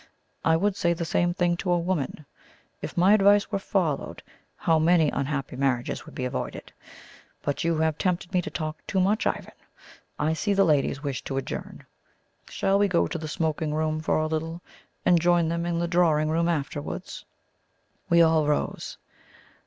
I would say the same thing to a woman. If my advice were followed, how many unhappy marriages would be avoided! But you have tempted me to talk too much, Ivan. I see the ladies wish to adjourn. Shall we go to the smoking room for a little, and join them in the drawing room afterwards?" We all rose.